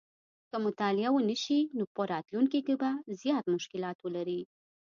که مطالعه ونه شي نو په راتلونکي کې به زیات مشکلات ولري